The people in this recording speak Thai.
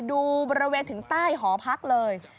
ดูบริเวณถึงใต้หอพักเลย